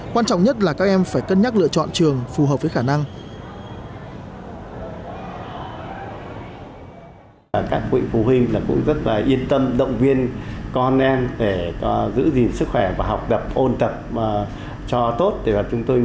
quan trọng nhất là các em phải cân nhắc lựa chọn trường phù hợp với khả năng